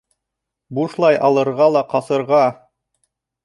Бушлай алырға ла ҡасырға!